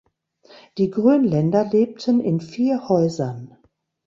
Die Grönländer lebten in vier Häusern.